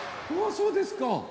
そうですか。